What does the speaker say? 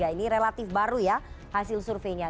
ini relatif baru ya hasil surveinya